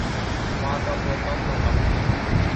মহাকাব্য তন্ময় কাব্য।